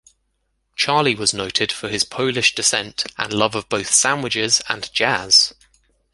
Charlie was noted for his Polish descent and love of both sandwiches and jazz.